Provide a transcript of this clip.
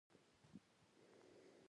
ولې مې درس نه وایل؟